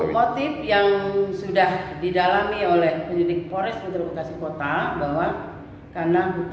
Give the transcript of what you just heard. motif yang sudah didalami oleh penyelidikan